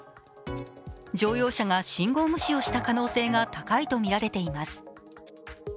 乗用車が信号無視をした可能性が高いとみられています。